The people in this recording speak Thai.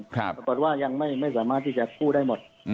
แต่บอกว่ายังไม่สามารถที่จะคู่ได้หมด